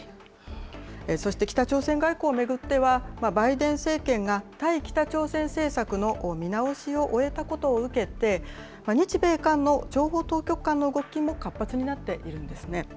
そして北朝鮮外交を巡っては、バイデン政権が対北朝鮮政策の見直しを終えたことを受けて、日米韓の情報当局間の動きも活発になっているんですね。